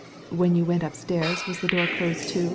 When you went upstairs was the door closed to?"